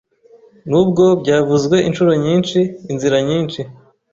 Nubwo byavuzwe inshuro nyinshi, inzira nyinshi